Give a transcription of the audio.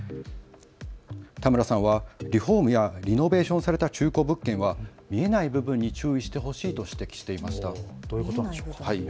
田村さんはリフォームやリノベーションされた中古物件は見えない部分に注意してほしいと指摘していました。